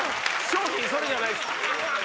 賞品それじゃないです！